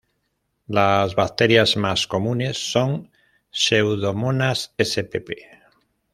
Las bacterias más comunes son "Pseudomonas Spp.